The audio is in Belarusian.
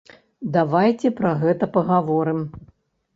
Давайце пра гэта пагаворым.